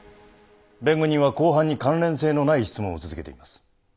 弁護人は公判に関連性のない質問を続けています。